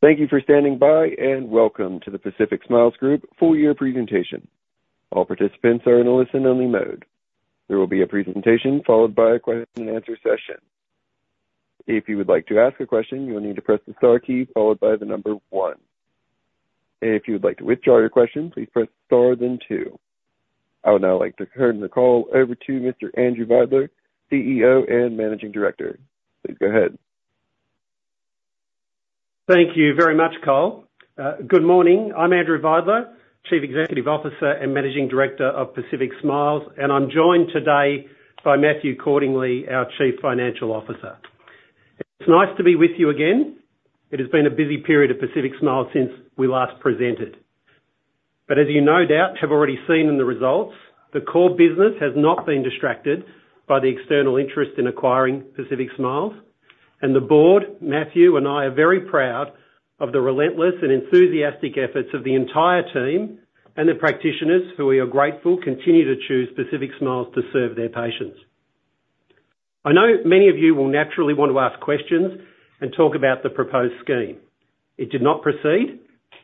Thank you for standing by, and welcome to the Pacific Smiles Group full year presentation. All participants are in a listen-only mode. There will be a presentation followed by a question and answer session. If you would like to ask a question, you will need to press the star key followed by the number one. If you would like to withdraw your question, please press star then two. I would now like to turn the call over to Mr. Andrew Vidler, CEO and Managing Director. Please go ahead. Thank you very much, Carl. Good morning. I'm Andrew Vidler, Chief Executive Officer and Managing Director of Pacific Smiles, and I'm joined today by Matthew Cordingley, our Chief Financial Officer. It's nice to be with you again. It has been a busy period at Pacific Smiles since we last presented. But as you no doubt have already seen in the results, the core business has not been distracted by the external interest in acquiring Pacific Smiles. And the board, Matthew, and I are very proud of the relentless and enthusiastic efforts of the entire team and the practitioners who we are grateful continue to choose Pacific Smiles to serve their patients. I know many of you will naturally want to ask questions and talk about the proposed scheme. It did not proceed,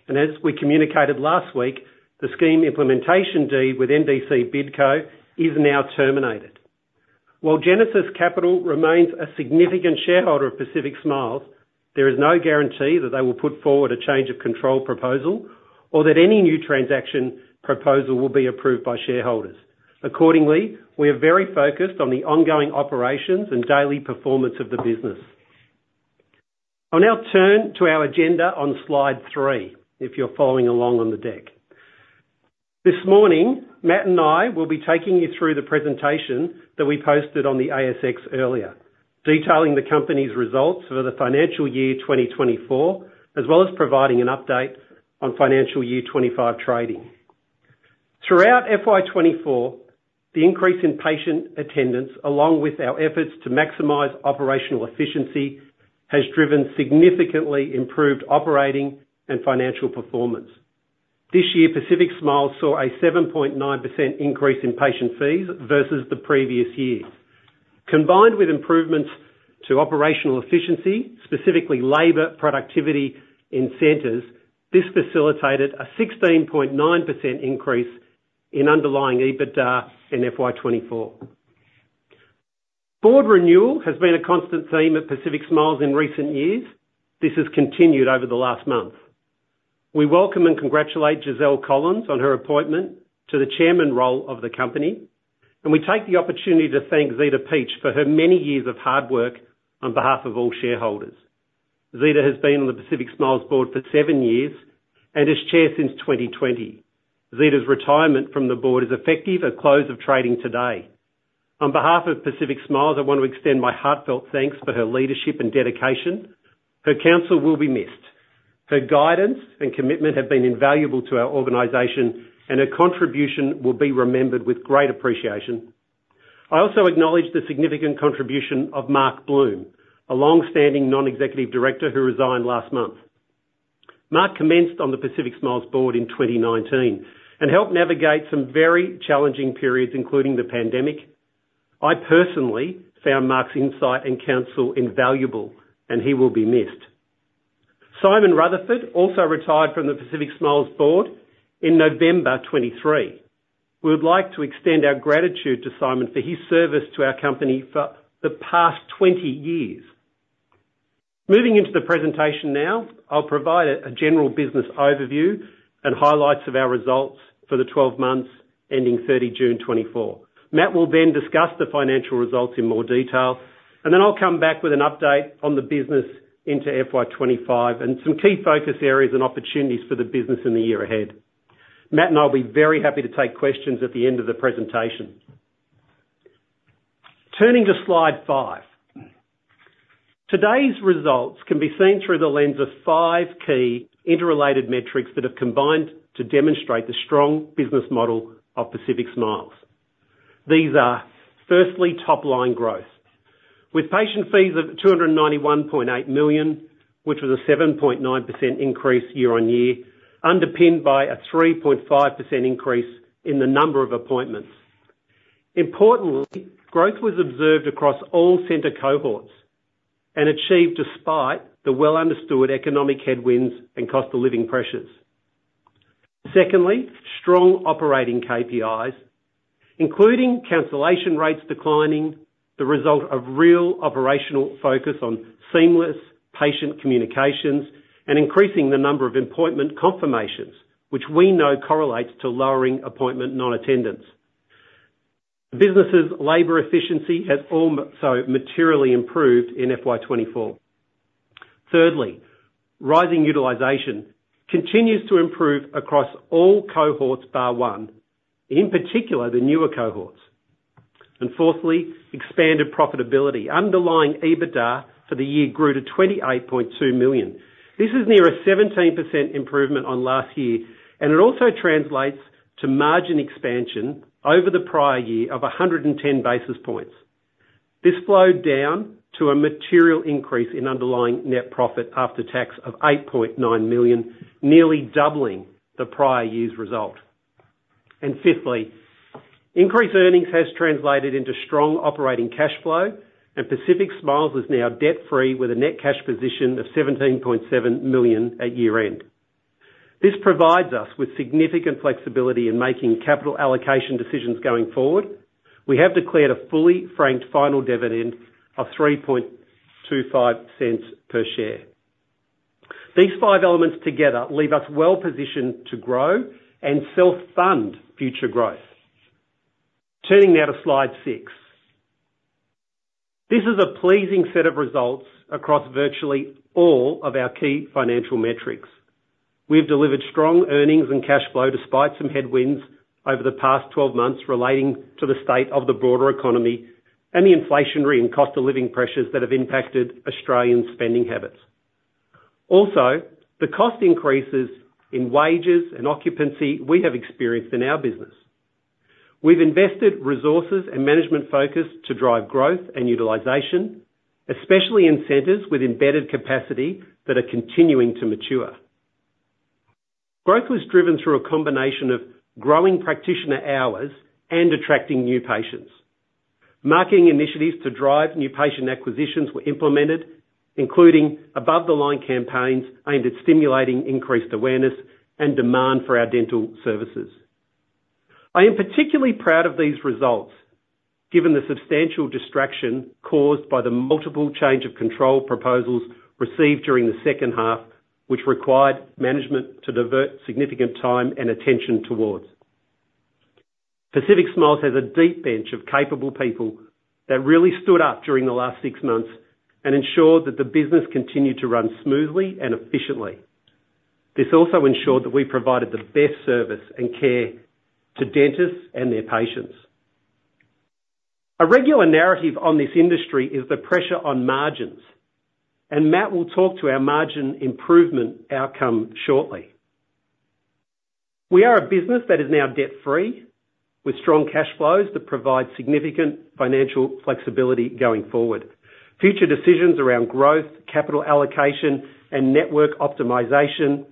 and as we communicated last week, the scheme implementation deed with NDC BidCo is now terminated. While Genesis Capital remains a significant shareholder of Pacific Smiles, there is no guarantee that they will put forward a change of control proposal or that any new transaction proposal will be approved by shareholders. Accordingly, we are very focused on the ongoing operations and daily performance of the business. I'll now turn to our agenda on slide three, if you're following along on the deck. This morning, Matt and I will be taking you through the presentation that we posted on the ASX earlier, detailing the company's results for the financial year 2024, as well as providing an update on financial year 2025 trading. Throughout FY 2024, the increase in patient attendance, along with our efforts to maximize operational efficiency, has driven significantly improved operating and financial performance. This year, Pacific Smiles saw a 7.9% increase in patient fees versus the previous years. Combined with improvements to operational efficiency, specifically labor productivity incentives, this facilitated a 16.9% increase in underlying EBITDA in FY 2024. Board renewal has been a constant theme at Pacific Smiles in recent years. This has continued over the last month. We welcome and congratulate Giselle Collins on her appointment to the chairman role of the company, and we take the opportunity to thank Zita Peach for her many years of hard work on behalf of all shareholders. Zita has been on the Pacific Smiles board for seven years and as chair since 2020. Zita's retirement from the board is effective at close of trading today. On behalf of Pacific Smiles, I want to extend my heartfelt thanks for her leadership and dedication. Her counsel will be missed. Her guidance and commitment have been invaluable to our organization, and her contribution will be remembered with great appreciation. I also acknowledge the significant contribution of Mark Bloom, a long-standing non-executive director who resigned last month. Mark commenced on the Pacific Smiles board in twenty nineteen and helped navigate some very challenging periods, including the pandemic. I personally found Mark's insight and counsel invaluable, and he will be missed. Simon Rutherford also retired from the Pacific Smiles board in November 2023. We would like to extend our gratitude to Simon for his service to our company for the past 20 years. Moving into the presentation now, I'll provide a general business overview and highlights of our results for the 12 months ending 30 June 2024. Matt will then discuss the financial results in more detail, and then I'll come back with an update on the business into FY 2025 and some key focus areas and opportunities for the business in the year ahead. Matt and I will be very happy to take questions at the end of the presentation. Turning to slide five. Today's results can be seen through the lens of five key interrelated metrics that have combined to demonstrate the strong business model of Pacific Smiles. These are, firstly, top-line growth, with patient fees of 291.8 million, which was a 7.9% increase year-on-year, underpinned by a 3.5% increase in the number of appointments. Importantly, growth was observed across all center cohorts and achieved despite the well understood economic headwinds and cost of living pressures. Secondly, strong operating KPIs, including cancellation rates declining, the result of real operational focus on seamless patient communications, and increasing the number of appointment confirmations, which we know correlates to lowering appointment non-attendance. The business' labor efficiency has also materially improved in FY 2024. Thirdly, rising utilization continues to improve across all cohorts, bar one, in particular, the newer cohorts. And fourthly, expanded profitability. Underlying EBITDA for the year grew to 28.2 million. This is near a 17% improvement on last year, and it also translates to margin expansion over the prior year of 110 basis points. This flowed down to a material increase in underlying net profit after tax of 8.9 million, nearly doubling the prior year's result. And fifthly, increased earnings has translated into strong operating cash flow, and Pacific Smiles is now debt-free with a net cash position of 17.7 million at year-end. This provides us with significant flexibility in making capital allocation decisions going forward. We have declared a fully franked final dividend of 0.0325 per share. These five elements together leave us well-positioned to grow and self-fund future growth. Turning now to slide six. This is a pleasing set of results across virtually all of our key financial metrics. We've delivered strong earnings and cash flow despite some headwinds over the past 12 months, relating to the state of the broader economy and the inflationary and cost of living pressures that have impacted Australian spending habits. Also, the cost increases in wages and occupancy we have experienced in our business. We've invested resources and management focus to drive growth and utilization, especially in centers with embedded capacity that are continuing to mature. Growth was driven through a combination of growing practitioner hours and attracting new patients. Marketing initiatives to drive new patient acquisitions were implemented, including above-the-line campaigns aimed at stimulating increased awareness and demand for our dental services. I am particularly proud of these results, given the substantial distraction caused by the multiple change of control proposals received during the second half, which required management to divert significant time and attention towards. Pacific Smiles has a deep bench of capable people that really stood up during the last six months and ensured that the business continued to run smoothly and efficiently. This also ensured that we provided the best service and care to dentists and their patients. A regular narrative on this industry is the pressure on margins, and Matt will talk to our margin improvement outcome shortly. We are a business that is now debt-free, with strong cash flows that provide significant financial flexibility going forward. Future decisions around growth, capital allocation, and network optimization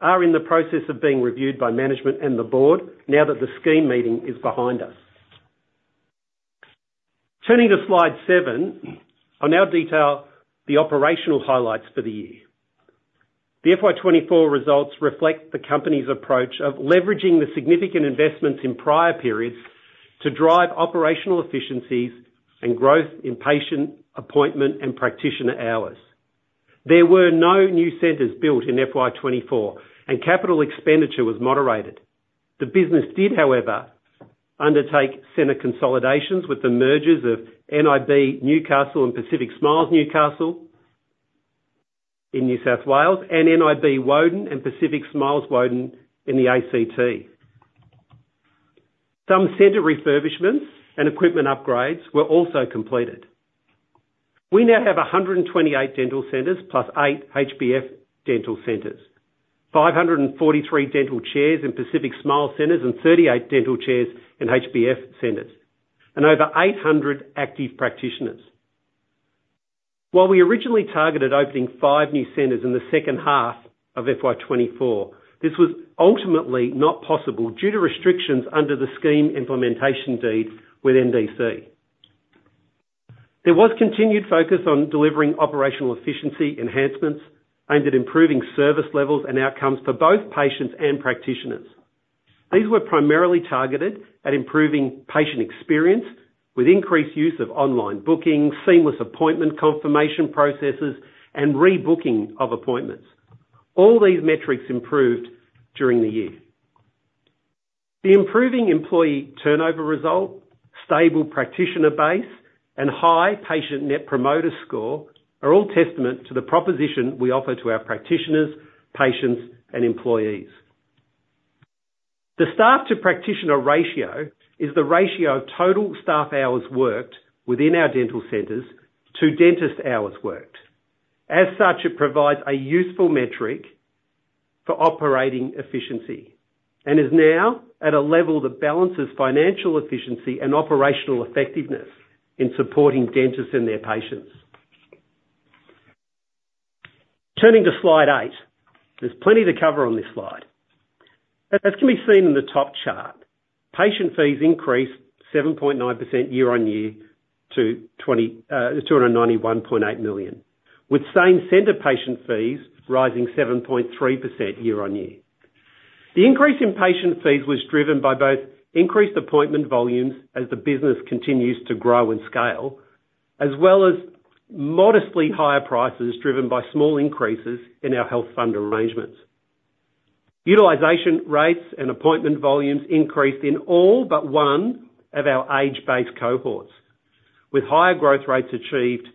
are in the process of being reviewed by management and the board now that the scheme meeting is behind us. Turning to slide seven, I'll now detail the operational highlights for the year. The FY 24 results reflect the company's approach of leveraging the significant investments in prior periods to drive operational efficiencies and growth in patient, appointment, and practitioner hours. There were no new centers built in FY 2024, and capital expenditure was moderated. The business did, however, undertake center consolidations with the mergers of NIB Newcastle and Pacific Smiles Newcastle in New South Wales, and NIB Woden and Pacific Smiles Woden in the ACT. Some center refurbishments and equipment upgrades were also completed. We now have 128 dental centers, plus 8 HBF dental centers, 543 dental chairs in Pacific Smiles centers and 38 dental chairs in HBF centers, and over 800 active practitioners. While we originally targeted opening five new centers in the second half of FY 2024, this was ultimately not possible due to restrictions under the scheme implementation deed with NDC. There was continued focus on delivering operational efficiency enhancements aimed at improving service levels and outcomes for both patients and practitioners. These were primarily targeted at improving patient experience with increased use of online booking, seamless appointment confirmation processes, and rebooking of appointments. All these metrics improved during the year. The improving employee turnover result, stable practitioner base, and high patient net promoter score are all testament to the proposition we offer to our practitioners, patients, and employees. The staff-to-practitioner ratio is the ratio of total staff hours worked within our dental centers to dentist hours worked. As such, it provides a useful metric for operating efficiency and is now at a level that balances financial efficiency and operational effectiveness in supporting dentists and their patients. Turning to slide eight. There's plenty to cover on this slide. As can be seen in the top chart, patient fees increased 7.9% year-on-year to 291.8 million, with same-center patient fees rising 7.3% year-on-year. The increase in patient fees was driven by both increased appointment volumes as the business continues to grow and scale, as well as modestly higher prices, driven by small increases in our health fund arrangements. Utilization rates and appointment volumes increased in all but one of our age-based cohorts, with higher growth rates achieved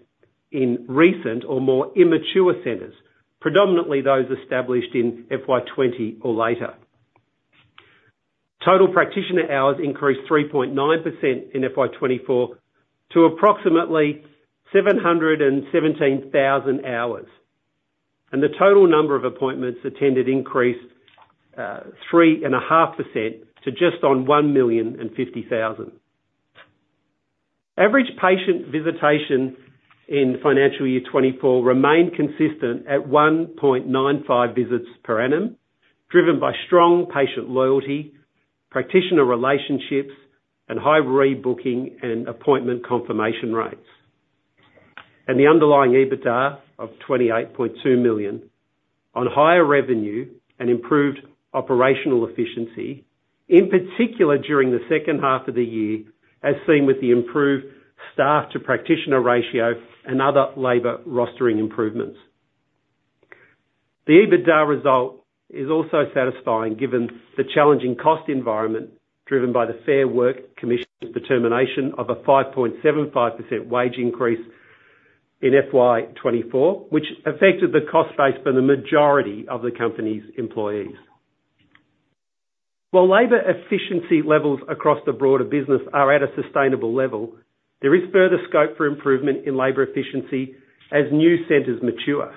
in recent or more immature centers, predominantly those established in FY 2020 or later. Total practitioner hours increased 3.9% in FY 2024 to approximately 717,000 hours, and the total number of appointments attended increased 3.5% to just on 1,050,000. Average patient visitation in financial year 2024 remained consistent at 1.95 visits per annum, driven by strong patient loyalty, practitioner relationships, and high rebooking and appointment confirmation rates. The underlying EBITDA of 28.2 million on higher revenue and improved operational efficiency, in particular during the second half of the year, as seen with the improved staff-to-practitioner ratio and other labor rostering improvements. The EBITDA result is also satisfying, given the challenging cost environment, driven by the Fair Work Commission's determination of a 5.75% wage increase in FY 2024, which affected the cost base for the majority of the company's employees. While labor efficiency levels across the broader business are at a sustainable level, there is further scope for improvement in labor efficiency as new centers mature.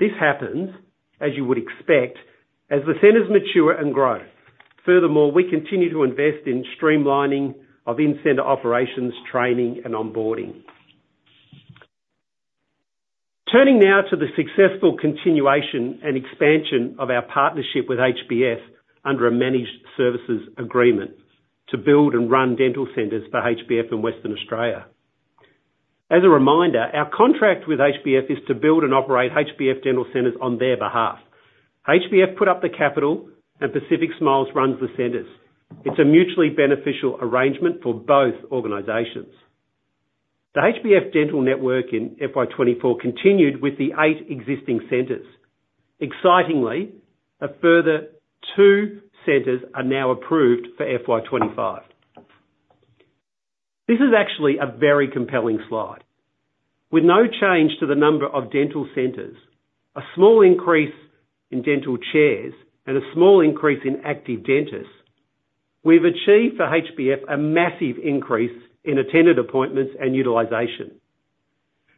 This happens, as you would expect, as the centers mature and grow. Furthermore, we continue to invest in streamlining of in-center operations, training, and onboarding. Turning now to the successful continuation and expansion of our partnership with HBF under a managed services agreement to build and run dental centers for HBF in Western Australia. As a reminder, our contract with HBF is to build and operate HBF Dental Centers on their behalf. HBF put up the capital, and Pacific Smiles runs the centers. It's a mutually beneficial arrangement for both organizations. The HBF dental network in FY 2024 continued with the eight existing centers. Excitingly, a further two centers are now approved for FY 2025. This is actually a very compelling slide. With no change to the number of dental centers, a small increase in dental chairs, and a small increase in active dentists, we've achieved for HBF a massive increase in attended appointments and utilization.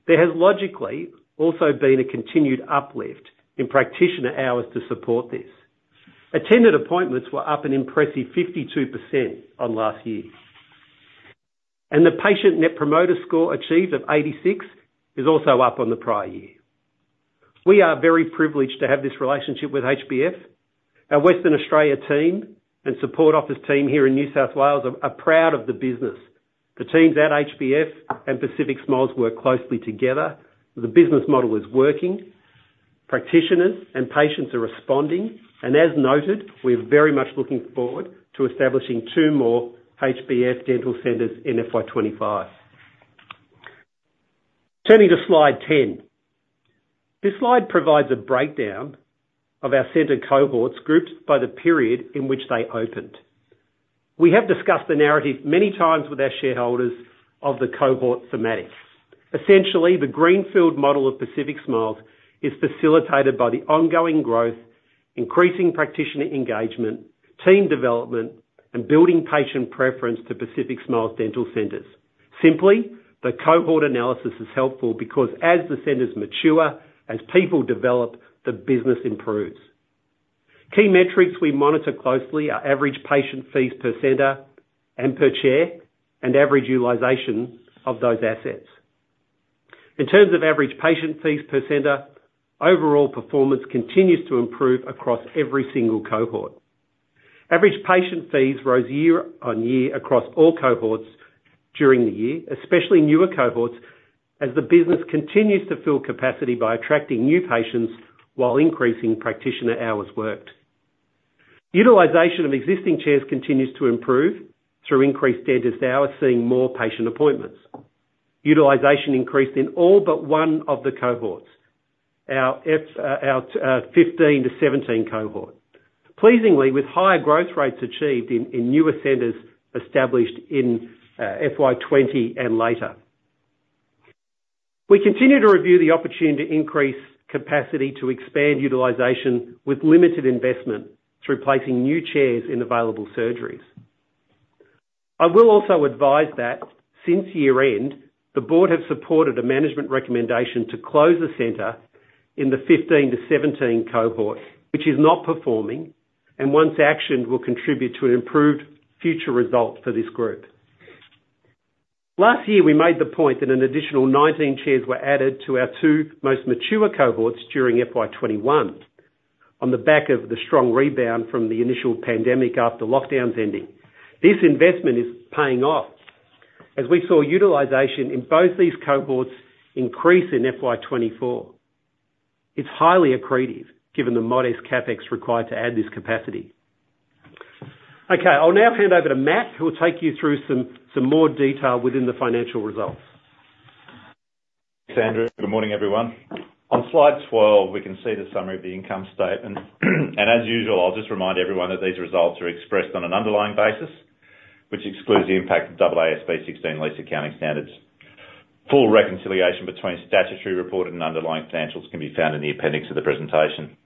There has logically also been a continued uplift in practitioner hours to support this. Attended appointments were up an impressive 52% on last year, and the patient net promoter score achieved of 86 is also up on the prior year. We are very privileged to have this relationship with HBF. Our Western Australia team and support office team here in New South Wales are proud of the business. The teams at HBF and Pacific Smiles work closely together. The business model is working, practitioners and patients are responding, and as noted, we're very much looking forward to establishing two more HBF Dental Centers in FY 2025. Turning to slide 10. This slide provides a breakdown of our center cohorts, grouped by the period in which they opened. We have discussed the narrative many times with our shareholders of the cohort semantics. Essentially, the greenfield model of Pacific Smiles is facilitated by the ongoing growth, increasing practitioner engagement, team development, and building patient preference to Pacific Smiles Dental Centers. Simply, the cohort analysis is helpful because as the centers mature, as people develop, the business improves. Key metrics we monitor closely are average patient fees per center and per chair, and average utilization of those assets. In terms of average patient fees per center, overall performance continues to improve across every single cohort. Average patient fees rose year-on-year across all cohorts during the year, especially newer cohorts, as the business continues to fill capacity by attracting new patients while increasing practitioner hours worked. Utilization of existing chairs continues to improve through increased dentist hours, seeing more patient appointments. Utilization increased in all but one of the cohorts. Our 15 to 17 cohort. Pleasingly, with higher growth rates achieved in newer centers established in FY 2020 and later. We continue to review the opportunity to increase capacity to expand utilization with limited investment through placing new chairs in available surgeries. I will also advise that since year-end, the board has supported a management recommendation to close the center in the 15 to 17 cohort, which is not performing, and once actioned, will contribute to an improved future result for this group. Last year, we made the point that an additional 19 chairs were added to our two most mature cohorts during FY 2021 on the back of the strong rebound from the initial pandemic after lockdowns ending. This investment is paying off as we saw utilization in both these cohorts increase in FY 24. It's highly accretive, given the modest CapEx required to add this capacity. Okay, I'll now hand over to Matt, who will take you through some more detail within the financial results. Andrew, good morning, everyone. On slide 12, we can see the summary of the income statement. As usual, I'll just remind everyone that these results are expressed on an underlying basis, which excludes the impact of AASB 16 lease accounting standards. Full reconciliation between statutory reported and underlying financials can be found in the appendix of the presentation.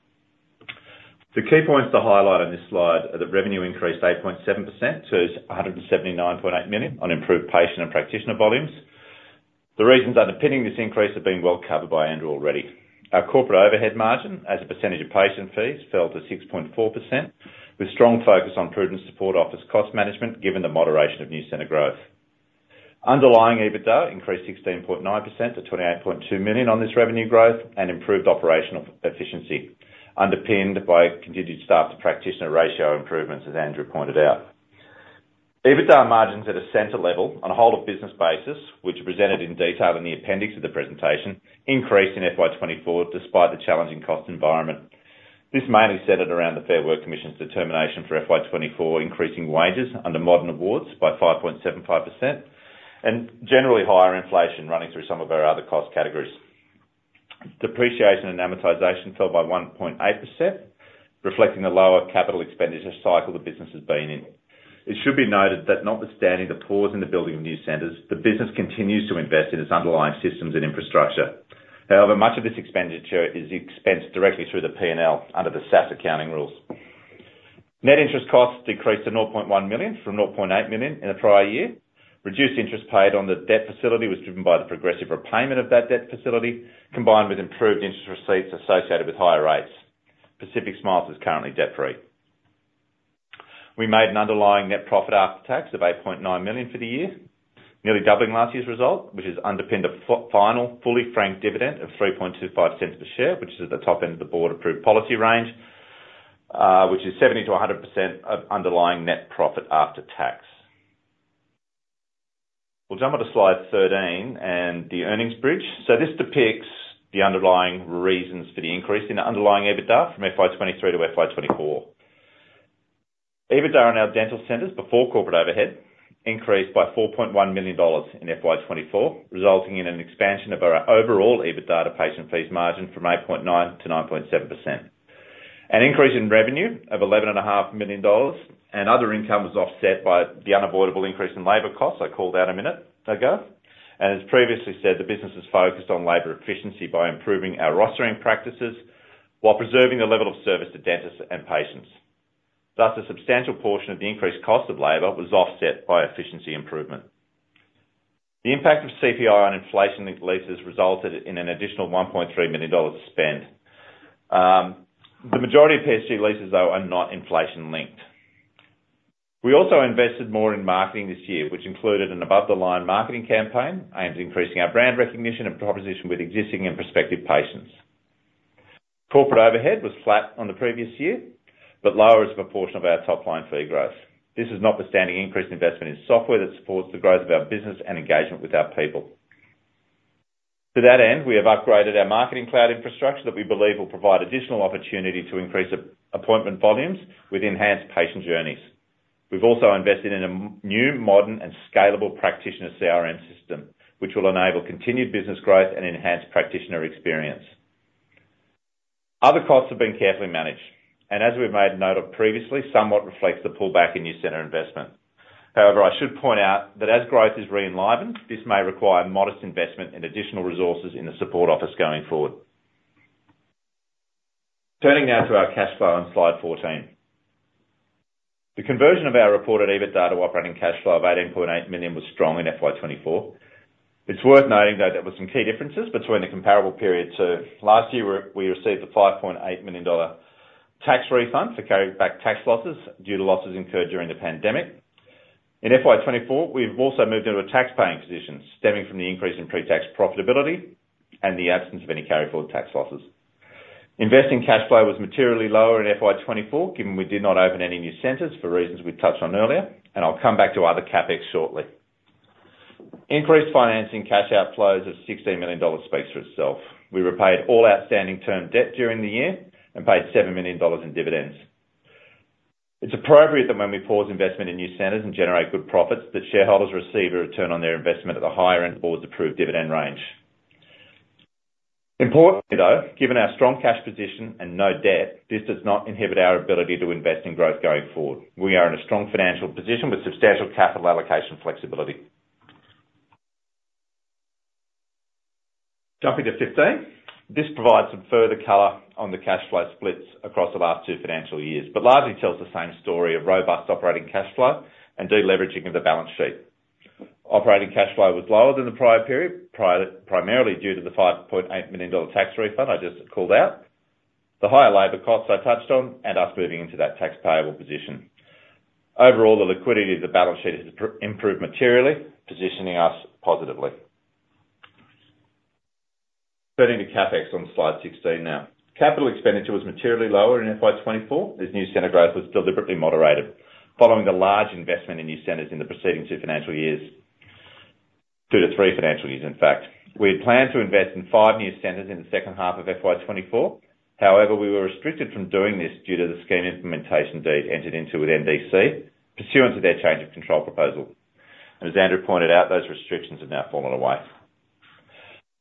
The key points to highlight on this slide are that revenue increased 8.7% to 179.8 million on improved patient and practitioner volumes. The reasons underpinning this increase have been well covered by Andrew already. Our corporate overhead margin, as a percentage of patient fees, fell to 6.4%, with strong focus on prudent support office cost management, given the moderation of new center growth. Underlying EBITDA increased 16.9% to 28.2 million on this revenue growth, and improved operational efficiency, underpinned by continued staff-to-practitioner ratio improvements, as Andrew pointed out. EBITDA margins at a center level, on a whole of business basis, which are presented in detail in the appendix of the presentation, increased in FY 2024 despite the challenging cost environment. This mainly centered around the Fair Work Commission's determination for FY 2024, increasing wages under modern awards by 5.75%, and generally higher inflation running through some of our other cost categories. Depreciation and amortization fell by 1.8%, reflecting the lower capital expenditure cycle the business has been in. It should be noted that notwithstanding the pause in the building of new centers, the business continues to invest in its underlying systems and infrastructure. However, much of this expenditure is expensed directly through the P&L under the AASB accounting rules. Net interest costs decreased to 0.1 million from 0.8 million in the prior year. Reduced interest paid on the debt facility was driven by the progressive repayment of that debt facility, combined with improved interest rates associated with higher rates. Pacific Smiles is currently debt-free. We made an underlying net profit after tax of 8.9 million for the year, nearly doubling last year's result, which has underpinned a final, fully franked dividend of 0.0325 per share, which is at the top end of the board-approved policy range, which is 70% to 100% of underlying net profit after tax. We'll jump onto slide 13 and the earnings bridge. So this depicts the underlying reasons for the increase in the underlying EBITDA from FY 2023 to FY 2024. EBITDA in our dental centers before corporate overhead increased by 4.1 million dollars in FY 2024, resulting in an expansion of our overall EBITDA to patient fees margin from 8.9% to 9.7%. An increase in revenue of 11.5 million dollars and other income was offset by the unavoidable increase in labor costs. I called that a minute ago. And as previously said, the business is focused on labor efficiency by improving our rostering practices while preserving the level of service to dentists and patients. Thus, a substantial portion of the increased cost of labor was offset by efficiency improvement. The impact of CPI on inflation leases resulted in an additional 1.3 million dollars spent. The majority of PSG leases, though, are not inflation-linked. We also invested more in marketing this year, which included an above-the-line marketing campaign aimed at increasing our brand recognition and proposition with existing and prospective patients. Corporate overhead was flat on the previous year, but lower as a proportion of our top-line fee growth. This is notwithstanding increased investment in software that supports the growth of our business and engagement with our people. To that end, we have upgraded our marketing cloud infrastructure that we believe will provide additional opportunity to increase appointment volumes with enhanced patient journeys. We've also invested in a new, modern, and scalable practitioner CRM system, which will enable continued business growth and enhanced practitioner experience. Other costs have been carefully managed, and as we've made a note of previously, somewhat reflects the pullback in new center investment. However, I should point out that as growth is re-enlivened, this may require modest investment in additional resources in the support office going forward. Turning now to our cash flow on slide 14. The conversion of our reported EBITDA to operating cash flow of 18.8 million was strong in FY 2024. It's worth noting, though, there were some key differences between the comparable period to last year, where we received a 5.8 million dollar tax refund for carryback tax losses due to losses incurred during the pandemic. In FY 2024, we've also moved into a tax-paying position, stemming from the increase in pre-tax profitability and the absence of any carryforward tax losses. Investing cash flow was materially lower in FY 2024, given we did not open any new centers for reasons we've touched on earlier, and I'll come back to other CapEx shortly. Increased financing cash outflows of 16 million dollars speaks for itself. We repaid all outstanding term debt during the year and paid 7 million dollars in dividends. It's appropriate that when we pause investment in new centers and generate good profits, that shareholders receive a return on their investment at the higher end of the board's approved dividend range. Importantly, though, given our strong cash position and no debt, this does not inhibit our ability to invest in growth going forward. We are in a strong financial position with substantial capital allocation flexibility. Jumping to 15, this provides some further color on the cash flow splits across the last two financial years, but largely tells the same story of robust operating cash flow and de-leveraging of the balance sheet. Operating cash flow was lower than the prior period, primarily due to the 5.8 million dollar tax refund I just called out, the higher labor costs I touched on, and us moving into that tax payable position. Overall, the liquidity of the balance sheet has improved materially, positioning us positively. Turning to CapEx on slide 16 now. Capital expenditure was materially lower in FY 2024, as new center growth was deliberately moderated following the large investment in new centers in the preceding two financial years. Two to three financial years, in fact. We had planned to invest in five new centers in the second half of FY 2024. However, we were restricted from doing this due to the scheme implementation date entered into with NDC, pursuant to their change of control proposal. And as Andrew pointed out, those restrictions have now fallen away.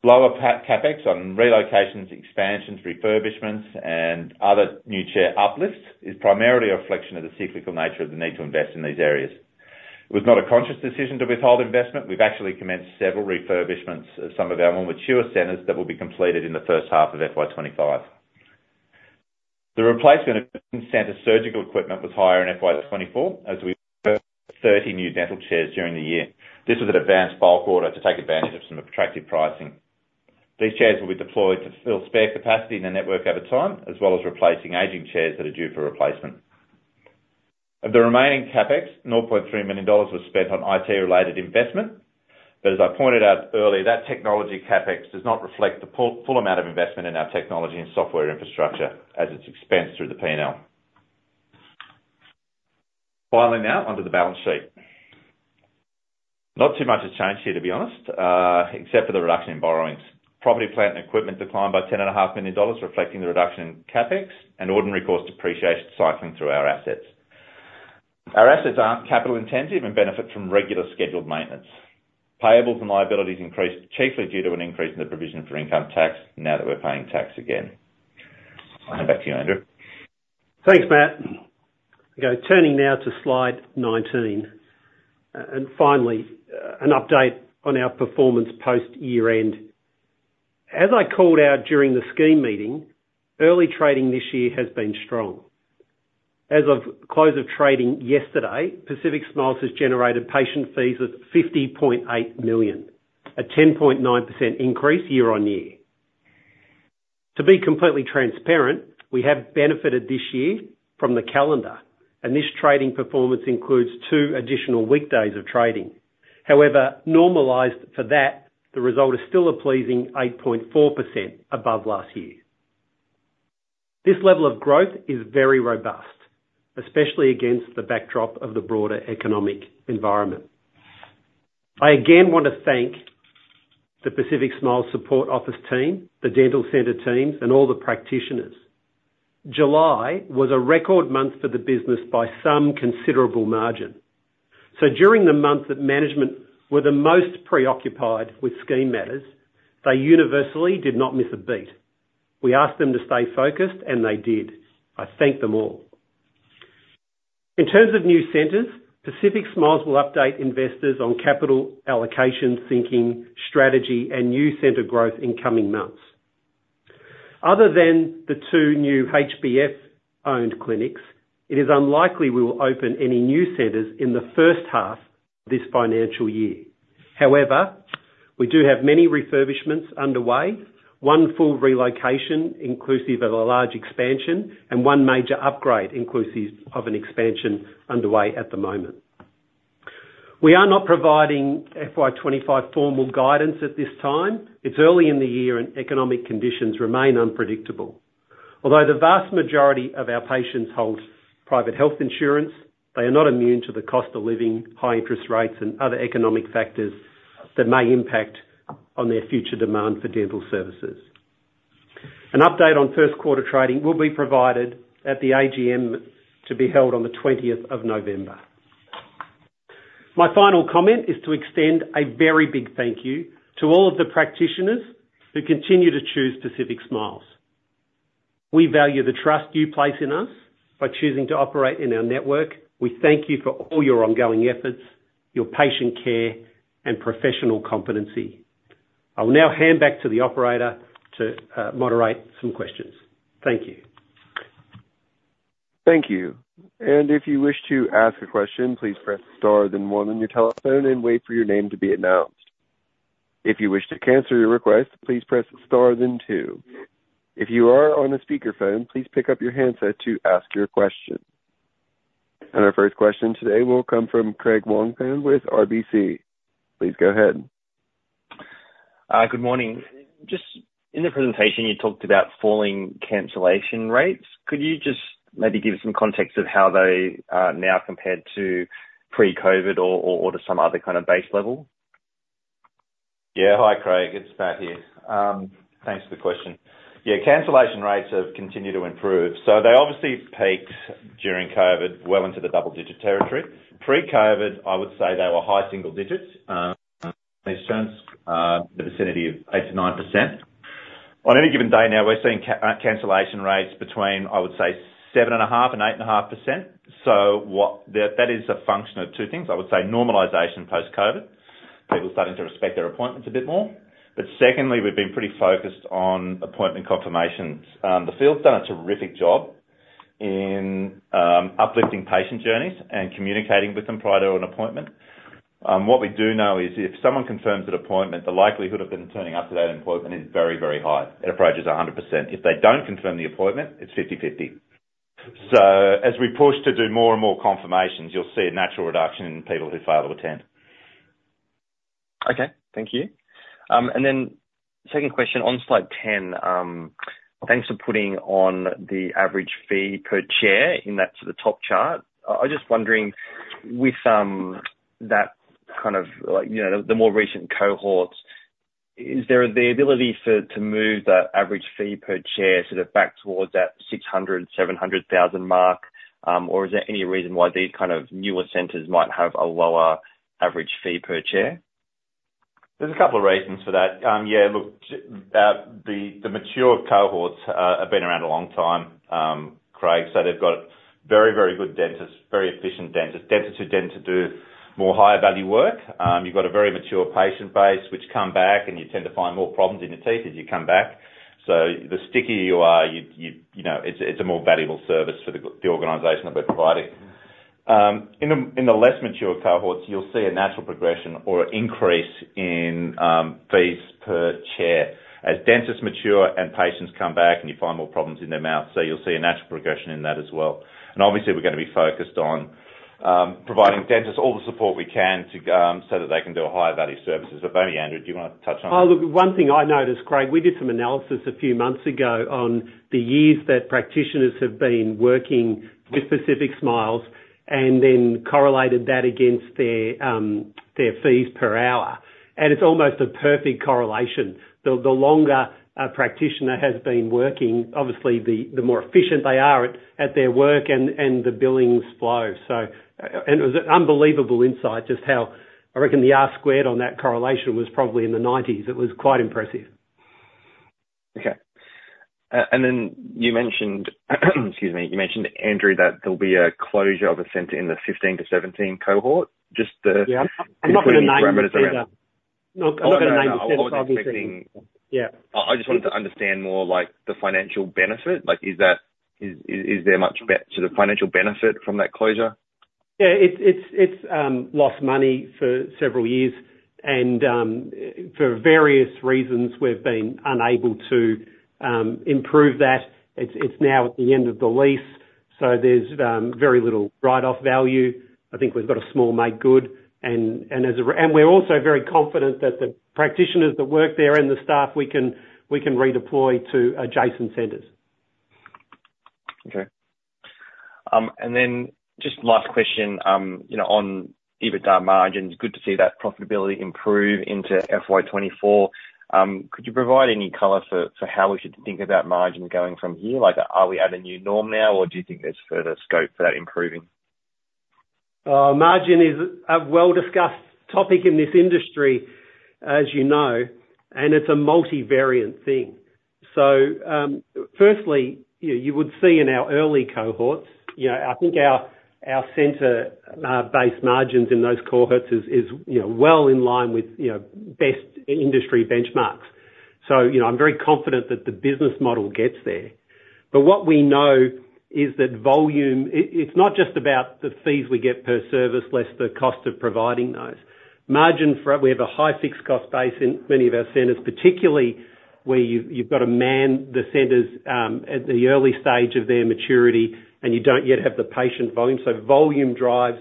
Lower CapEx on relocations, expansions, refurbishments, and other new chair uplifts is primarily a reflection of the cyclical nature of the need to invest in these areas. It was not a conscious decision to withhold investment. We've actually commenced several refurbishments of some of our more mature centers that will be completed in the first half of FY 2025. The replacement of center surgical equipment was higher in FY 2024, as we purchased 30 new dental chairs during the year. This was an advanced bulk order to take advantage of some attractive pricing. These chairs will be deployed to fill spare capacity in the network over time, as well as replacing aging chairs that are due for replacement. Of the remaining CapEx, AUD 9.3 million was spent on IT-related investment. But as I pointed out earlier, that technology CapEx does not reflect the full amount of investment in our technology and software infrastructure as it's expensed through the P&L. Finally, now, onto the balance sheet. Not too much has changed here, to be honest, except for the reduction in borrowings. Property, plant, and equipment declined by 10.5 million dollars, reflecting the reduction in CapEx and ordinary course depreciation cycling through our assets. Our assets aren't capital intensive and benefit from regular scheduled maintenance. Payables and liabilities increased, chiefly due to an increase in the provision for income tax now that we're paying tax again. Back to you, Andrew. Thanks, Matt. Okay, turning now to slide 19, and finally, an update on our performance post-year-end. As I called out during the scheme meeting, early trading this year has been strong. As of close of trading yesterday, Pacific Smiles has generated patient fees of 50.8 million, a 10.9% increase year-on-year. To be completely transparent, we have benefited this year from the calendar, and this trading performance includes two additional weekdays of trading. However, normalized for that, the result is still a pleasing 8.4% above last year. This level of growth is very robust, especially against the backdrop of the broader economic environment. I again want to thank the Pacific Smiles Support Office team, the dental center teams, and all the practitioners. July was a record month for the business by some considerable margin. During the month that management were the most preoccupied with scheme matters, they universally did not miss a beat. We asked them to stay focused, and they did. I thank them all. In terms of new centers, Pacific Smiles will update investors on capital allocation, thinking, strategy, and new center growth in coming months. Other than the two new HBF-owned clinics, it is unlikely we will open any new centers in the first half of this financial year. However, we do have many refurbishments underway, one full relocation, inclusive of a large expansion, and one major upgrade, inclusive of an expansion underway at the moment. We are not providing FY 2025 formal guidance at this time. It's early in the year, and economic conditions remain unpredictable. Although the vast majority of our patients hold private health insurance, they are not immune to the cost of living, high interest rates, and other economic factors that may impact on their future demand for dental services. An update on first quarter trading will be provided at the AGM to be held on the 20th of November. My final comment is to extend a very big thank you to all of the practitioners who continue to choose Pacific Smiles. We value the trust you place in us by choosing to operate in our network. We thank you for all your ongoing efforts, your patient care, and professional competency. I will now hand back to the operator to moderate some questions. Thank you. Thank you. And if you wish to ask a question, please press star then one on your telephone and wait for your name to be announced. If you wish to cancel your request, please press star then two. If you are on a speaker phone, please pick up your handset to ask your question. And our first question today will come from Craig Wong-Pan with RBC. Please go ahead. Good morning. Just in the presentation, you talked about falling cancellation rates. Could you just maybe give some context of how they now compare to pre-COVID or, or, to some other kind of base level? Yeah. Hi, Craig. It's Matt here. Thanks for the question. Yeah, cancellation rates have continued to improve, so they obviously peaked during COVID, well into the double-digit territory. Pre-COVID, I would say they were high single digits, the vicinity of 8% to 9%. On any given day now, we're seeing cancellation rates between, I would say, 7.5%-8.5%. So that is a function of two things. I would say normalization post-COVID, people starting to respect their appointments a bit more. But secondly, we've been pretty focused on appointment confirmations. The field's done a terrific job in uplifting patient journeys and communicating with them prior to an appointment. What we do know is if someone confirms an appointment, the likelihood of them turning up to that appointment is very, very high. It approaches 100%. If they don't confirm the appointment, it's fifty-fifty. So as we push to do more and more confirmations, you'll see a natural reduction in people who fail to attend. Okay. Thank you. And then second question on slide 10. Thanks for putting on the average fee per chair in that, the top chart. I was just wondering, with that kind of like, you know, the more recent cohorts, is there the ability to move that average fee per chair sort of back towards that 600,000-700,000 mark? Or is there any reason why these kind of newer centers might have a lower average fee per chair? There's a couple of reasons for that. The mature cohorts have been around a long time, Craig, so they've got very, very good dentists, very efficient dentists. Dentists who tend to do more higher value work. You've got a very mature patient base, which come back, and you tend to find more problems in your teeth as you come back. So the stickier you are, you know, it's a more valuable service for the organization that we're providing. In the less mature cohorts, you'll see a natural progression or increase in fees per chair. As dentists mature and patients come back, and you find more problems in their mouth, so you'll see a natural progression in that as well. And obviously, we're gonna be focused on providing dentists all the support we can to so that they can do a higher value services. But maybe, Andrew, do you wanna touch on that? Oh, look, one thing I noticed, Craig. We did some analysis a few months ago on the years that practitioners have been working with Pacific Smiles, and then correlated that against their fees per hour, and it's almost a perfect correlation. The longer a practitioner has been working, obviously the more efficient they are at their work, and the billings flow. So, and it was an unbelievable insight, just how I reckon the R squared on that correlation was probably in the 90s. It was quite impressive. Okay. And then you mentioned, excuse me, you mentioned, Andrew, that there'll be a closure of a center in the 15 to 17 cohort, just the- Yeah. I'm not gonna name the center. I was expecting- Yeah. I just wanted to understand more like the financial benefit. Like, is there much sort of financial benefit from that closure? Yeah, it's lost money for several years, and for various reasons, we've been unable to improve that. It's now at the end of the lease, so there's very little write-off value. I think we've got a small make good and we're also very confident that the practitioners that work there and the staff, we can redeploy to adjacent centers. Okay. And then just last question, you know, on EBITDA margins. Good to see that profitability improve into FY 2024. Could you provide any color for, for how we should think about margin going from here? Like, are we at a new norm now, or do you think there's further scope for that improving? Margin is a well-discussed topic in this industry, as you know, and it's a multi-variant thing. So, firstly, you would see in our early cohorts, you know, I think our center base margins in those cohorts is, you know, well in line with, you know, best industry benchmarks. So, you know, I'm very confident that the business model gets there. But what we know is that volume. It's not just about the fees we get per service, less the cost of providing those. Margin. We have a high fixed cost base in many of our centers, particularly where you've got to man the centers at the early stage of their maturity, and you don't yet have the patient volume. So volume drives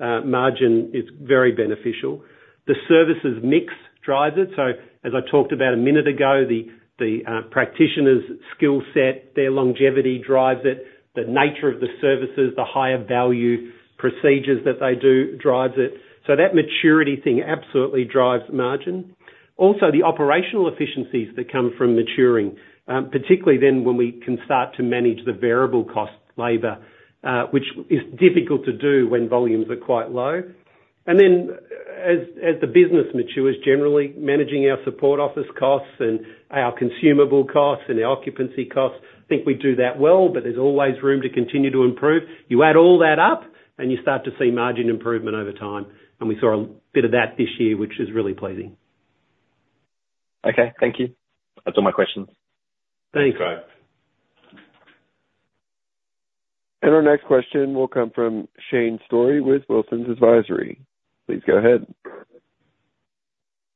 margin, is very beneficial. The services mix drives it. So as I talked about a minute ago, the practitioners' skill set, their longevity drives it, the nature of the services, the higher value procedures that they do drives it. So that maturity thing absolutely drives margin. Also, the operational efficiencies that come from maturing, particularly then when we can start to manage the variable cost, labor, which is difficult to do when volumes are quite low. And then as the business matures, generally, managing our support office costs and our consumable costs and our occupancy costs, I think we do that well, but there's always room to continue to improve. You add all that up, and you start to see margin improvement over time, and we saw a bit of that this year, which is really pleasing. Okay, thank you. That's all my questions. Thanks. Our next question will come from Shane Storey with Wilsons Advisory. Please go ahead.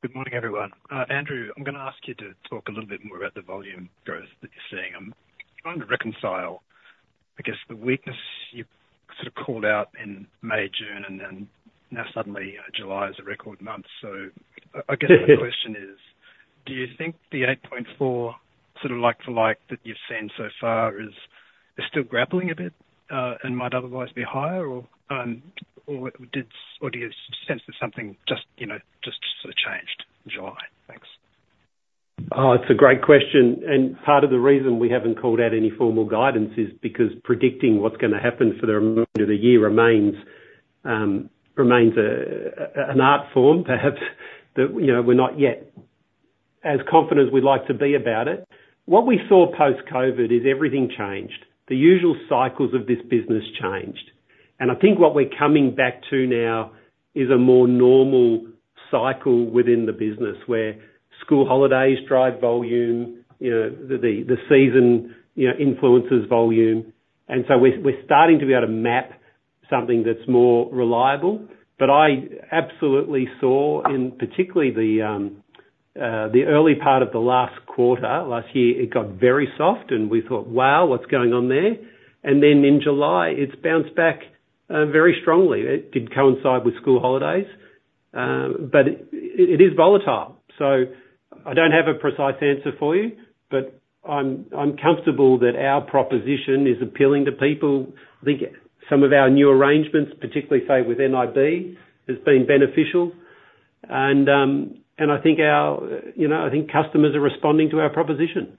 Good morning, everyone. Andrew, I'm gonna ask you to talk a little bit more about the volume growth that you're seeing. I'm trying to reconcile, I guess, the weakness you sort of called out in May, June, and then now suddenly, July is a record month. So I guess the question is, do you think the eight point four, sort of like for like, that you've seen so far is still grappling a bit and might otherwise be higher or do you sense that something just, you know, just sort of changed in July? Thanks. Oh, it's a great question, and part of the reason we haven't called out any formal guidance is because predicting what's gonna happen for the remainder of the year remains an art form, perhaps. That, you know, we're not yet as confident as we'd like to be about it. What we saw post-COVID is everything changed. The usual cycles of this business changed, and I think what we're coming back to now is a more normal cycle within the business, where school holidays drive volume, you know, the season, you know, influences volume. And so we're starting to be able to map something that's more reliable. But I absolutely saw in, particularly the early part of the last quarter, last year, it got very soft, and we thought, "Wow, what's going on there?" And then in July, it's bounced back very strongly. It did coincide with school holidays, but it is volatile. So I don't have a precise answer for you, but I'm comfortable that our proposition is appealing to people. I think some of our new arrangements, particularly say with NIB, has been beneficial and I think our, you know, I think customers are responding to our proposition.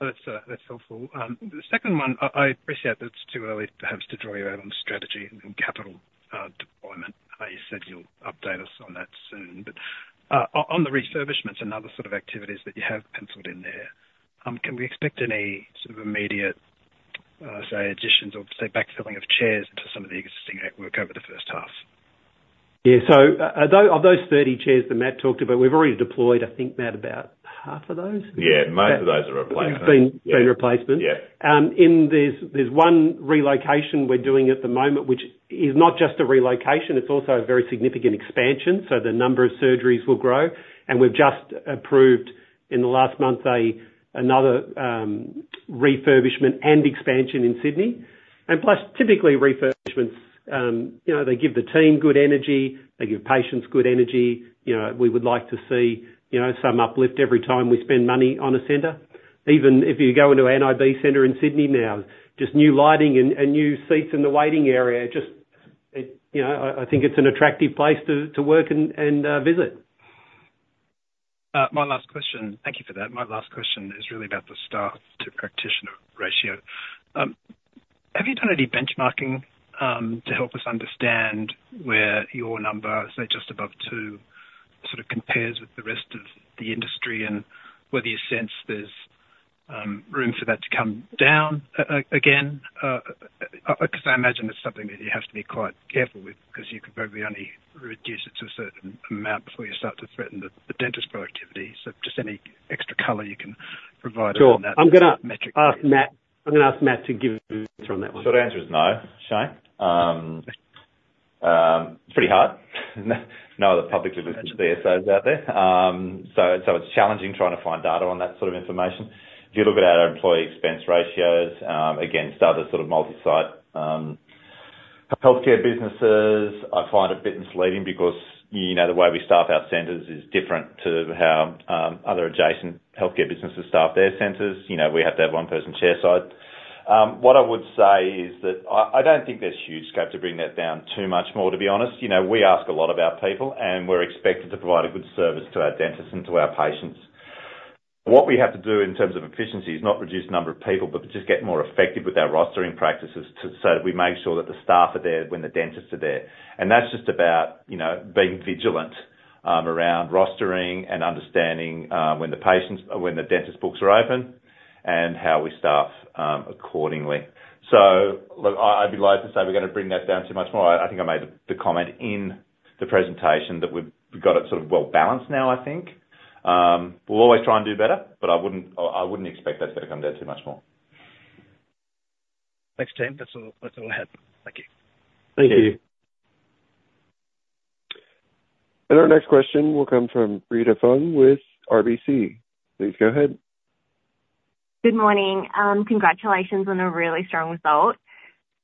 That's, that's helpful. The second one, I appreciate that it's too early perhaps to draw you out on strategy and capital. You said you'll update us on that soon. But, on the refurbishments and other sort of activities that you have penciled in there, can we expect any sort of immediate, say, additions or say, backfilling of chairs into some of the existing network over the first half? Yeah. So, of those thirty chairs that Matt talked about, we've already deployed, I think, Matt, about half of those? Yeah, most of those are replacements. It's been replacements. Yeah. There's one relocation we're doing at the moment, which is not just a relocation, it's also a very significant expansion, so the number of surgeries will grow. We've just approved, in the last month, another refurbishment and expansion in Sydney. Plus, typically refurbishments, you know, they give the team good energy, they give patients good energy. You know, we would like to see, you know, some uplift every time we spend money on a center. Even if you go into an NIB center in Sydney now, just new lighting and new seats in the waiting area, just you know, I think it's an attractive place to work and visit. My last question. Thank you for that. My last question is really about the staff to practitioner ratio. Have you done any benchmarking to help us understand where your numbers, say just above two, sort of compares with the rest of the industry, and whether you sense there's room for that to come down again? 'Cause I imagine it's something that you have to be quite careful with, 'cause you could probably only reduce it to a certain amount before you start to threaten the dentist productivity. So just any extra color you can provide on that? Sure. Metric. I'm gonna ask Matt to give his answer on that one. Short answer is no, Shane. Pretty hard. No other publicly listed CSOs out there. So it's challenging trying to find data on that sort of information. If you look at our employee expense ratios against other sort of multi-site healthcare businesses, I find it a bit misleading, because you know, the way we staff our centers is different to how other adjacent healthcare businesses staff their centers. You know, we have to have one person chair-side. What I would say is that I don't think there's huge scope to bring that down too much more, to be honest. You know, we ask a lot of our people, and we're expected to provide a good service to our dentists and to our patients. What we have to do in terms of efficiency is not reduce the number of people, but just get more effective with our rostering practices so that we make sure that the staff are there when the dentists are there. And that's just about, you know, being vigilant around rostering and understanding when the patients-- when the dentist books are open, and how we staff accordingly. So look, I'd be loathe to say we're gonna bring that down too much more. I think I made the comment in the presentation that we've got it sort of well balanced now, I think. We'll always try and do better, but I wouldn't expect that to come down too much more. Thanks, team. That's all, that's all I have. Thank you. Thank you. Thank you. And our next question will come from Rita Fung with RBC. Please go ahead. Good morning. Congratulations on a really strong result.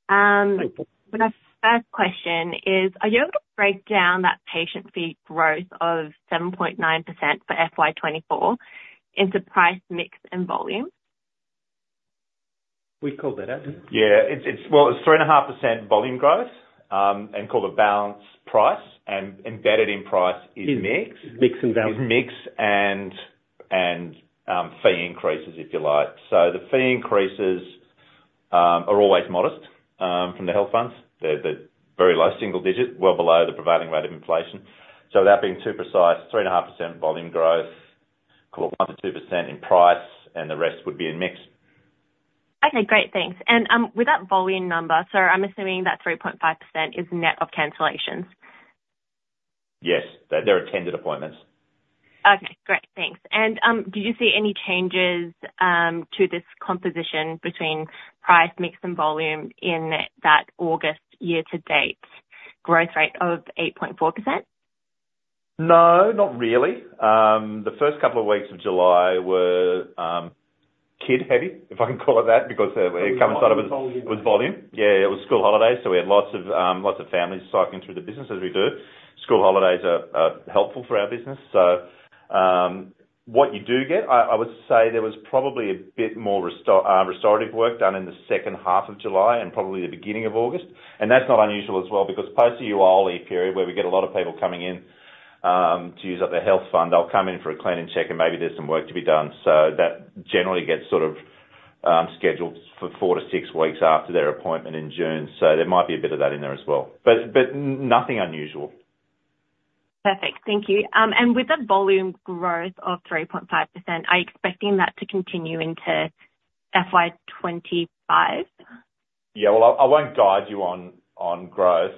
Thank you. My first question is, are you able to break down that patient fee growth of 7.9% for FY 2024 into price, mix, and volume? We called that out, didn't we? Yeah. It's well, it's 3.5% volume growth, and called a balanced price, and embedded in price is mix. Mix and balance. It's mix and fee increases, if you like. So the fee increases are always modest from the health funds. They're very low single-digit, well below the prevailing rate of inflation. So without being too precise, 3.5% volume growth, call it 1% to 2% in price, and the rest would be in mix. Okay, great. Thanks. And, with that volume number, so I'm assuming that 3.5% is net of cancellations? Yes. They're attended appointments. Okay, great. Thanks and do you see any changes to this composition between price, mix, and volume in that August year to date growth rate of 8.4%? No, not really. The first couple of weeks of July were kid-heavy, if I can call it that, because it comes out of- Volume. With volume. Yeah, it was school holidays, so we had lots of families cycling through the business, as we do. School holidays are helpful for our business. So, what you do get, I would say there was probably a bit more restorative work done in the second half of July, and probably the beginning of August. And that's not unusual as well, because post the EOFY period, where we get a lot of people coming in, to use up their health fund, they'll come in for a clean and check, and maybe there's some work to be done. So that generally gets sort of scheduled for four to six weeks after their appointment in June. So there might be a bit of that in there as well, but nothing unusual. Perfect. Thank you. And with the volume growth of 3.5%, are you expecting that to continue into FY 2025? Yeah, well, I won't guide you on growth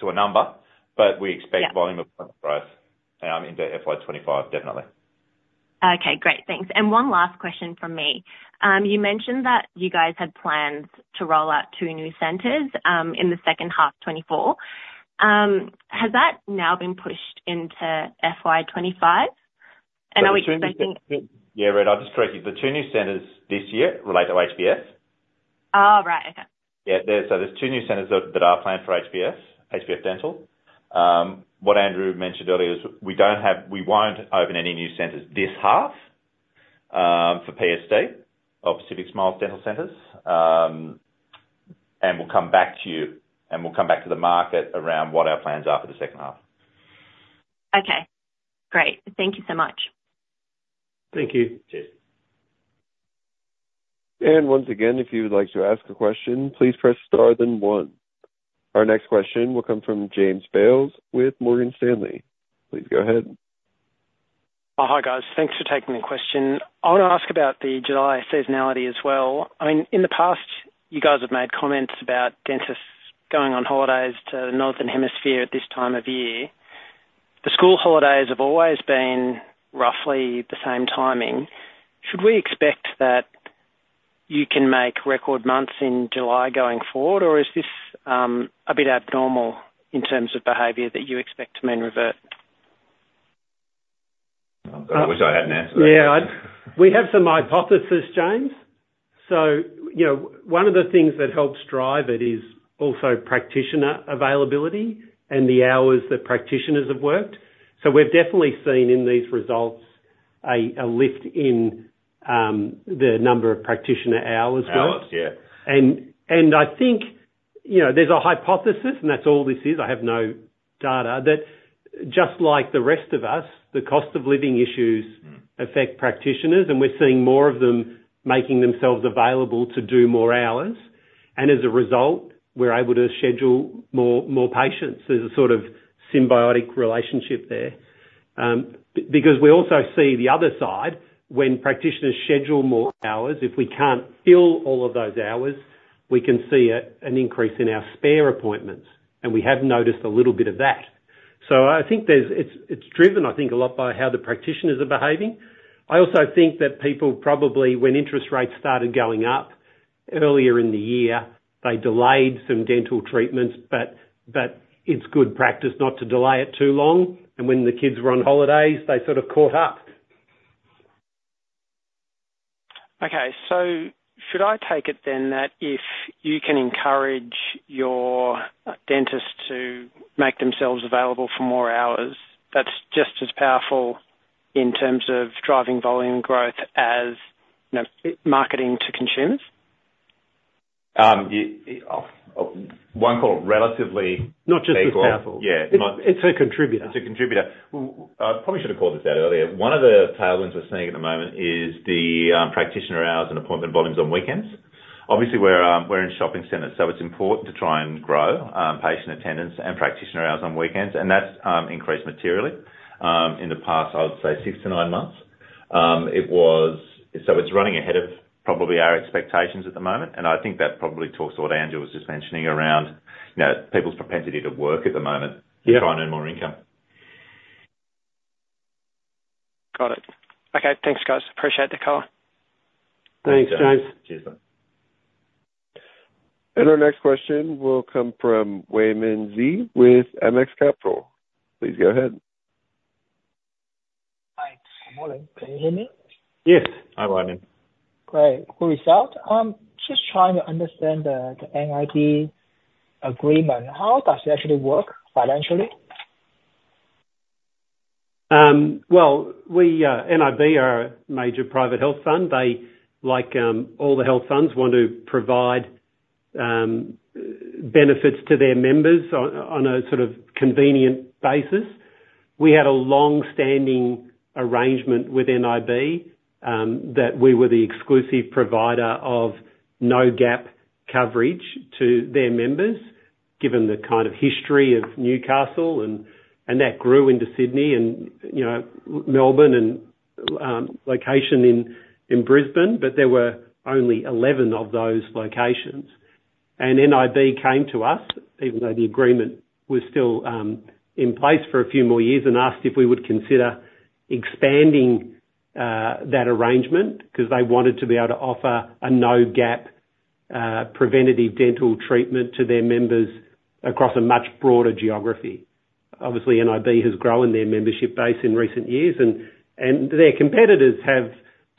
to a number, but we expect- Yeah... volume of growth, into FY 2025, definitely. Okay, great. Thanks. And one last question from me. You mentioned that you guys had plans to roll out two new centers in the second half, 2024. Has that now been pushed into FY 2025? And are we expecting? Yeah, Rita, I'll just correct you. The two new centers this year relate to HBF. Oh, right. Okay. Yeah, so there's two new centers that are planned for HBF Dental. What Andrew mentioned earlier is we won't open any new centers this half for PSD of Pacific Smiles Dental Centers. And we'll come back to the market around what our plans are for the second half. Okay, great. Thank you so much. Thank you. Cheers. And once again, if you would like to ask a question, please press star then one. Our next question will come from James Bales with Morgan Stanley. Please go ahead. Oh, hi, guys. Thanks for taking the question. I want to ask about the July seasonality as well. I mean, in the past, you guys have made comments about dentists going on holidays to the Northern Hemisphere at this time of year. The school holidays have always been roughly the same timing. Should we expect that you can make record months in July going forward, or is this a bit abnormal in terms of behavior that you expect to then revert? I wish I had an answer. Yeah, we have some hypothesis, James. So, you know, one of the things that helps drive it is also practitioner availability and the hours that practitioners have worked. So we've definitely seen in these results a lift in the number of practitioner hours worked. Hours, yeah. I think, you know, there's a hypothesis, and that's all this is. I have no data that just like the rest of us, the cost of living issues- Mm. affect practitioners, and we're seeing more of them making themselves available to do more hours. And as a result, we're able to schedule more patients. There's a sort of symbiotic relationship there. Because we also see the other side, when practitioners schedule more hours, if we can't fill all of those hours, we can see an increase in our spare appointments, and we have noticed a little bit of that. So I think it's driven, I think, a lot by how the practitioners are behaving. I also think that people probably, when interest rates started going up earlier in the year, they delayed some dental treatments, but it's good practice not to delay it too long, and when the kids were on holidays, they sort of caught up. Okay, so should I take it then that if you can encourage your dentists to make themselves available for more hours, that's just as powerful in terms of driving volume growth as, you know, marketing to consumers? One called relatively- Not just as powerful. Yeah. It's a contributor. It's a contributor. Probably should have called this out earlier. One of the tailwinds we're seeing at the moment is the practitioner hours and appointment volumes on weekends. Obviously, we're in shopping centers, so it's important to try and grow patient attendance and practitioner hours on weekends, and that's increased materially in the past. I would say six-to-nine months. It was. So it's running ahead of probably our expectations at the moment, and I think that probably talks to what Andrew was just mentioning around, you know, people's propensity to work at the moment. Yeah To try and earn more income. Got it. Okay, thanks, guys. Appreciate the call. Thanks, James. Cheers. Our next question will come from Weimin Xie with MX Capital. Please go ahead. Hi. Good morning. Can you hear me? Yes. Hi, Weimin. Great. Good result. Just trying to understand the NIB agreement. How does it actually work financially? Well, we, NIB are a major private health fund. They, like, all the health funds, want to provide benefits to their members on a sort of convenient basis. We had a long-standing arrangement with NIB, that we were the exclusive provider of no-gap coverage to their members, given the kind of history of Newcastle and that grew into Sydney and, you know, Melbourne and location in Brisbane, but there were only 11 of those locations. And NIB came to us, even though the agreement was still in place for a few more years, and asked if we would consider expanding that arrangement, 'cause they wanted to be able to offer a no-gap preventative dental treatment to their members across a much broader geography. Obviously, NIB has grown their membership base in recent years, and their competitors have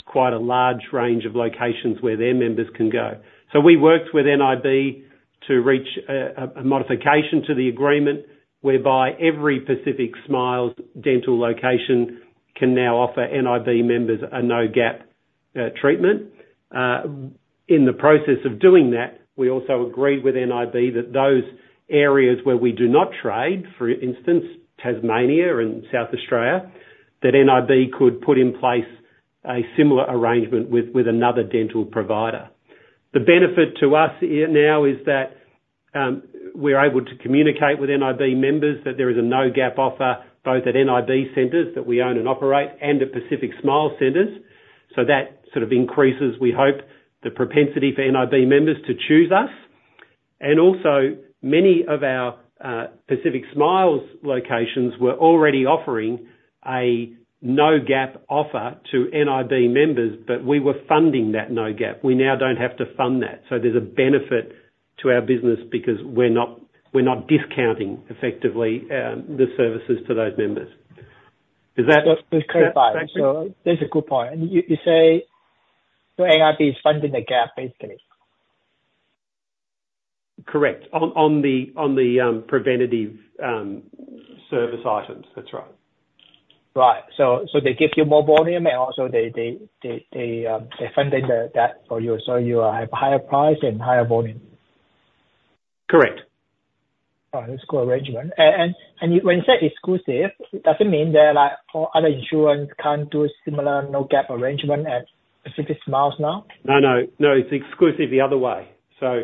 quite a large range of locations where their members can go. So we worked with NIB to reach a modification to the agreement, whereby every Pacific Smiles dental location can now offer NIB members a no-gap treatment. In the process of doing that, we also agreed with NIB that those areas where we do not trade, for instance, Tasmania and South Australia, that NIB could put in place a similar arrangement with another dental provider. The benefit to us now is that we're able to communicate with NIB members that there is a no-gap offer, both at NIB centers that we own and operate, and at Pacific Smiles centers. So that sort of increases, we hope, the propensity for NIB members to choose us. And also, many of our Pacific Smiles locations were already offering a no-gap offer to NIB members, but we were funding that no gap. We now don't have to fund that. So there's a benefit to our business because we're not discounting effectively, the services to those members. Is that- Just to clarify- Yeah. So that's a good point. And you, you say, so NIB is funding the gap, basically? Correct. On the preventive service items. That's right. Right. So they give you more volume and also they funded that for you, so you have higher price and higher volume? Correct. All right, that's cool arrangement. And, when you say exclusive, it doesn't mean that, like, all other insurance can't do a similar no-gap arrangement at Pacific Smiles now? No, no. No, it's exclusive the other way. So,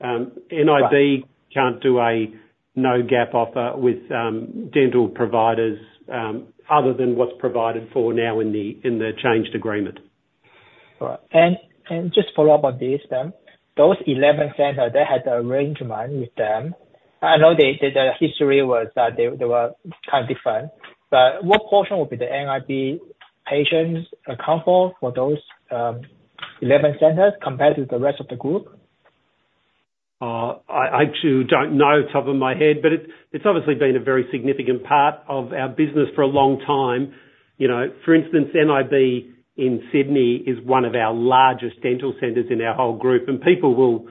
NIB, Right. Can't do a no-gap offer with dental providers other than what's provided for now in the changed agreement. All right. And just follow up on this then. Those eleven centers that had the arrangement with them, I know the history was that they were kind of different, but what portion would be the nib patients account for, for those eleven centers compared to the rest of the group? I actually don't know off the top of my head, but it's obviously been a very significant part of our business for a long time. You know, for instance, NIB in Sydney is one of our largest dental centers in our whole group, and people will,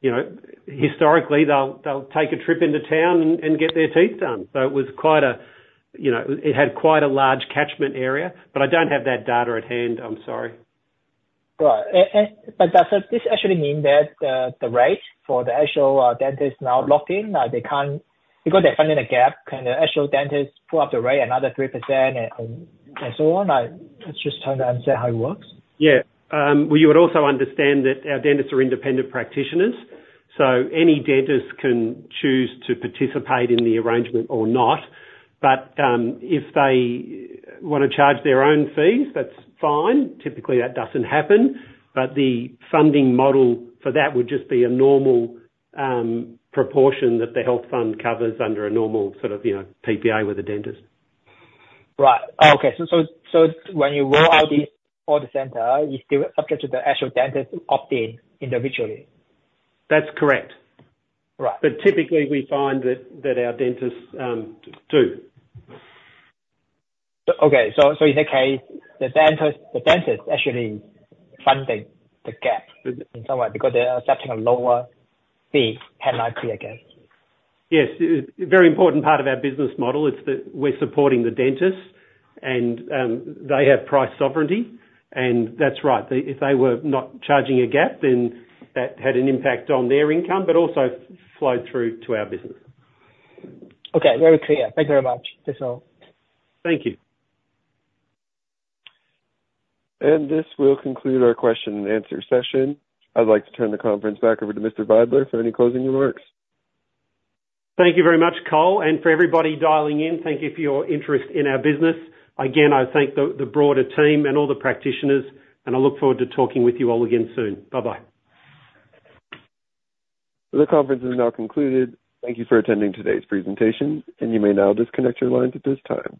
you know, historically, they'll take a trip into town and get their teeth done. So it was quite a, you know, it had quite a large catchment area, but I don't have that data at hand. I'm sorry. Right. And but does this actually mean that the rate for the actual dentist now lock in, they can't... Because they're funding a gap, can the actual dentist put up the rate another 3% and so on? Let's just try to understand how it works? Yeah. Well, you would also understand that our dentists are independent practitioners, so any dentist can choose to participate in the arrangement or not. But, if they wanna charge their own fees, that's fine. Typically, that doesn't happen, but the funding model for that would just be a normal, proportion that the health fund covers under a normal sort of, you know, PPA with the dentist. Right. Okay. So when you roll out to all the centers, it's still up to the actual dentist to opt in individually? That's correct. Right. But typically, we find that our dentists do. Okay. So, in that case, the dentist actually funding the gap in some way because they're accepting a lower fee than NIB again? Yes. A very important part of our business model is that we're supporting the dentist and, they have price sovereignty, and that's right. If they were not charging a gap, then that had an impact on their income, but also flowed through to our business. Okay. Very clear. Thank you very much. That's all. Thank you. This will conclude our question and answer session. I'd like to turn the conference back over to Mr. Vidler for any closing remarks. Thank you very much, Cole, and for everybody dialing in, thank you for your interest in our business. Again, I thank the broader team and all the practitioners, and I look forward to talking with you all again soon. Bye-bye. The conference is now concluded. Thank you for attending today's presentation, and you may now disconnect your lines at this time.